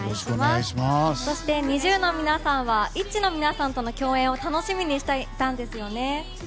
そしてＮｉｚｉＵの皆さんはＩＴＺＹの皆さんとの共演を楽しみにしていたんですよね。